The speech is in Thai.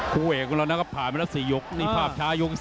คู่เอกของเรานะครับผ่านไปแล้ว๔ยกนี่ภาพช้ายก๔